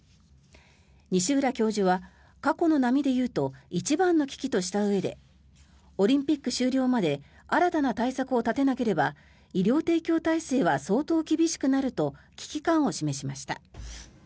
西浦教授は、過去の波で言うと一番の危機としたうえでオリンピック終了まで新たな対策を立てなければ医療提供体制は相当厳しくなると危機感を示しました。